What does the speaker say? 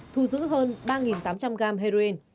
thu giữ hơn ba tám trăm linh gram heroin